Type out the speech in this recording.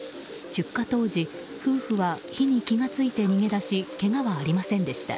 出火当時夫婦は火に気が付いて逃げ出しけがはありませんでした。